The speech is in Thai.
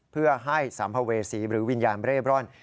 เพื่อให้สัมภเวษีหรือวิญญาณเร่บร่อน